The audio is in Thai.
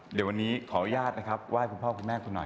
เดี๋ยววันนี้ขออนุญาตนะครับไหว้คุณพ่อคุณแม่คุณหน่อย